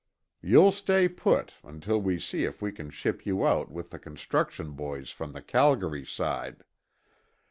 You'll stay put, until we see if we can ship you out with the construction boys to the Calgary side.